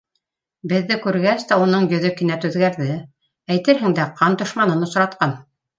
Беҙҙе күргәс тә уның йөҙө кинәт үҙгәрҙе, әйтерһең дә, ҡан дошманын осратҡан.